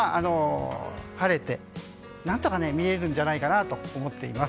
晴れて、何とか見えるんじゃないかと思っています。